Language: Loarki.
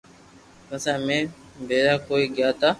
پسي امي ڀيراڪوئي گيا تا